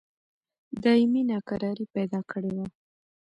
دایمي ناکراري پیدا کړې وه.